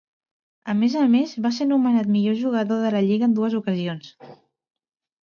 A més a més va ser nomenat millor jugador de la lliga en dues ocasions.